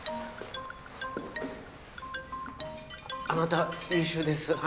あなた優秀です。